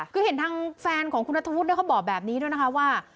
คือเห็นทางแฟนของคุณนัทธวุฒิเขาบอกแบบนี้ด้วยนะคะว่า